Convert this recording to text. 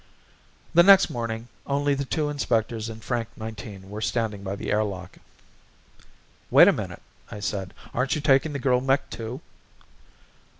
The next morning only the two inspectors and Frank Nineteen were standing by the airlock. "Wait a minute," I said. "Aren't you taking the girl mech, too?"